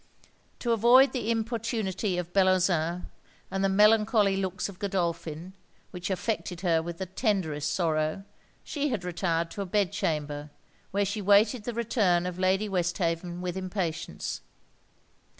To avoid the importunity of Bellozane, and the melancholy looks of Godolphin, which affected her with the tenderest sorrow, she had retired to a bed chamber, where she waited the return of Lady Westhaven with impatience.